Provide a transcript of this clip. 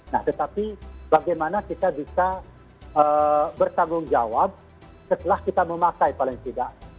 nah tetapi bagaimana kita bisa bertanggung jawab setelah kita memakai paling tidak